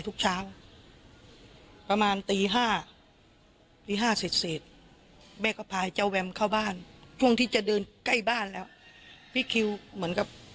ทุกคนก็กลับมาดูซึ่ง